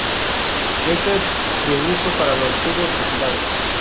Esta es de uso para los tubos capilares.